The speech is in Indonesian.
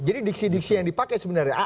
diksi diksi yang dipakai sebenarnya